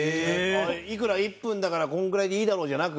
いくら１分だからこのぐらいでいいだろうじゃなく？